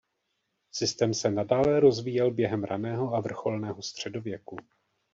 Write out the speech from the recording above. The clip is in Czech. Systém se nadále rozvíjel během raného a vrcholného středověku.